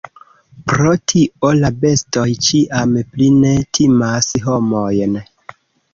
Pro tio la bestoj ĉiam pli ne timas homojn.